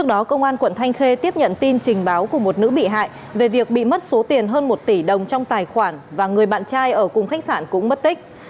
trước đó công an quận thanh khê tiếp nhận tin trình báo của một nữ bị hại về việc bị mất số tiền hơn một tỷ đồng trong tài khoản và người bạn trai ở cùng khách sạn cũng mất tích